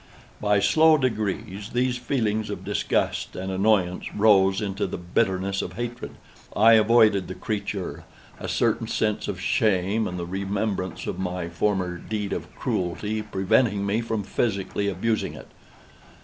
By slow degrees, these feelings of disgust and annoyance rose into the bitterness of hatred. I avoided the creature; a certain sense of shame, and the remembrance of my former deed of cruelty, preventing me from physically abusing it.